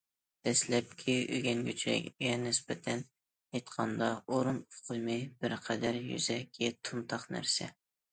دەسلەپكى ئۆگەنگۈچىگە نىسبەتەن ئېيتقاندا، ئورۇن ئۇقۇمى بىر قەدەر يۈزەكى، تومتاق نەرسە.